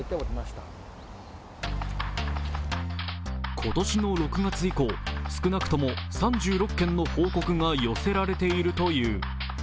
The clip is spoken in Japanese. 今年の６月以降、少なくとも３６件の報告が寄せられているという。